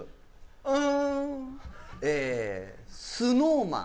うんえＳｎｏｗＭａｎ